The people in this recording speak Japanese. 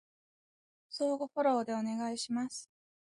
相互フォローでお願いします